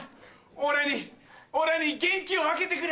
俺に元気を分けてくれ！